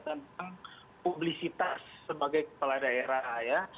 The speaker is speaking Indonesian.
tentang publisitas sebagai kepala daerah ya